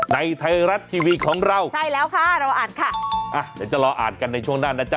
ในไทยรัฐทีวีของเราใช่แล้วค่ะเราอ่านค่ะอ่ะเดี๋ยวจะรออ่านกันในช่วงหน้านะจ๊